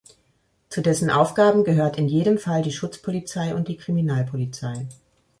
Zu dessen Aufgaben gehört in jedem Fall die Schutzpolizei und die Kriminalpolizei.